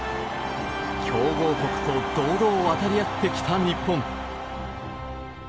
強豪国と堂々渡り合ってきた日本。